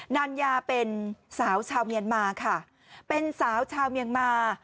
ัญญาเป็นสาวชาวเมียนมาค่ะเป็นสาวชาวเมียนมา